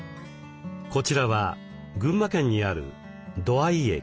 こちらは群馬県にある土合駅。